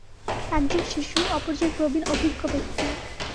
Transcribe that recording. একজন শিশু, অপরজন প্রবীণ অভিজ্ঞ ব্যক্তি।